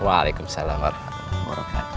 waalaikumsalam warahmatullahi wabarakatuh